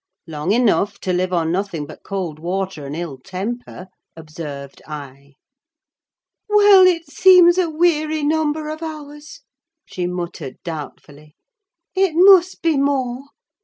"Long enough to live on nothing but cold water and ill temper," observed I. "Well, it seems a weary number of hours," she muttered doubtfully: "it must be more.